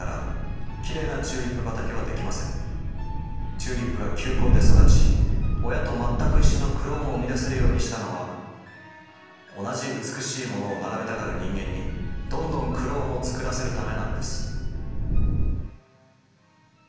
チューリップが球根で育ち親と全く一緒のクローンを生み出せるようにしたのは同じ美しいものを並べたがる人間にどんどんクローンを作らせるためなのです。